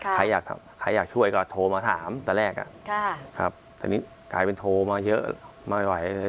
ใครอยากช่วยก็โทรมาถามตอนแรกแต่นี่กลายเป็นโทรมาเยอะไม่ไหวเลย